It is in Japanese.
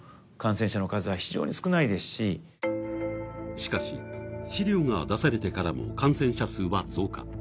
しかし、資料が出されてからも感染者数は増加。